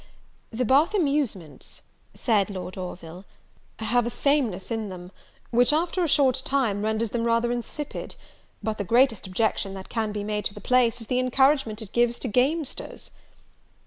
"The Bath amusements," said Lord Orville, "have a sameness in them, which, after a short time, renders them rather insipid; but the greatest objection that can be made to the place, is the encouragement it gives to gamesters."